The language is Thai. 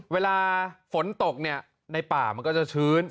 เวลาฝนตกในป่ามันก็จะชื้น